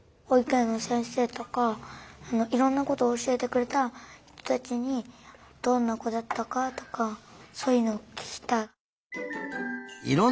ほいく園の先生とかいろんなことをおしえてくれた人たちにどんなこだったかとかそういうのをききたい。